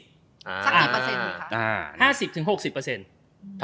สักกี่เปอร์เซ็นต์ค่ะ